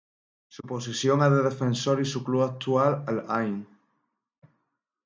Su posición es de defensor y su club actual Al-Ain.